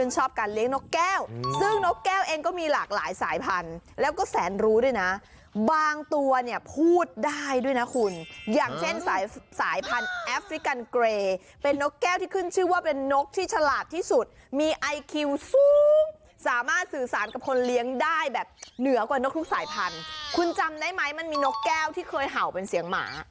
ชอบการเลี้ยงนกแก้วซึ่งนกแก้วเองก็มีหลากหลายสายพันธุ์แล้วก็แสนรู้ด้วยนะบางตัวเนี่ยพูดได้ด้วยนะคุณอย่างเช่นสายสายพันธุ์แอฟริกันเกรเป็นนกแก้วที่ขึ้นชื่อว่าเป็นนกที่ฉลาดที่สุดมีไอคิวสูงสามารถสื่อสารกับคนเลี้ยงได้แบบเหนือกว่านกทุกสายพันธุ์คุณจำได้ไหมมันมีนกแก้วที่เคยเห่าเป็นเสียงหมา